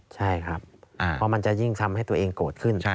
ใช่ครับเพราะมันจะยิ่งทำให้ตัวเองโกรธขึ้น